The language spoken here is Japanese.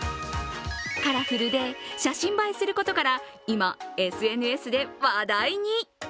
カラフルで写真映えすることから今、ＳＮＳで話題に。